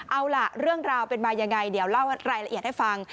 เอาล่ะเรื่องราวเป็นมายังไงเดี๋ยวเล่ารายละเอียดให้ฟัง